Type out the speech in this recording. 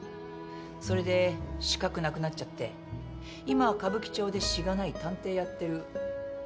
それで資格なくなっちゃって今は歌舞伎町でしがない探偵やってる。